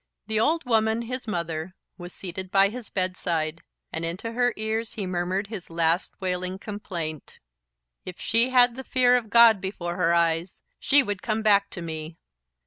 The old woman, his mother, was seated by his bedside, and into her ears he murmured his last wailing complaint. "If she had the fear of God before her eyes, she would come back to me."